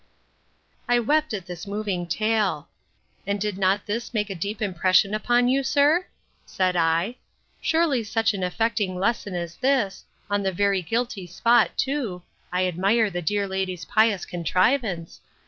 I wept at this moving tale. And did not this make a deep impression upon you, sir? said I. Surely such an affecting lesson as this, on the very guilty spot too, (I admire the dear lady's pious contrivance!)